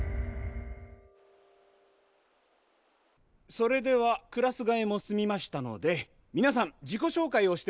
それではクラスがえも済みましたのでみなさん自己紹介をしてもらいます。